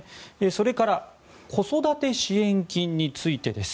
それから子育て支援金についてです。